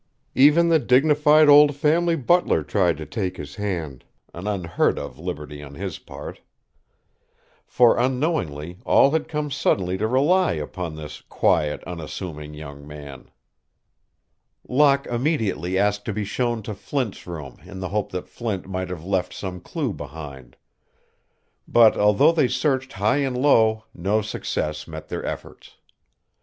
Even the dignified old family butler tried to take his hand, an unheard of liberty on his part. For, unknowingly, all had come suddenly to rely upon this quiet, unassuming young man. Locke immediately asked to be shown to Flint's room in the hope that Flint might have left some clue behind. But, although they searched high and low, no success met their efforts.